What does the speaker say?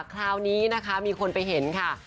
คราวนี้นะคะมีคนไปเห็นค่ะ